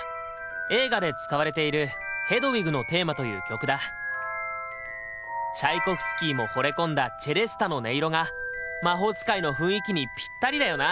映画で使われているチャイコフスキーも惚れ込んだチェレスタの音色が魔法使いの雰囲気にぴったりだよな。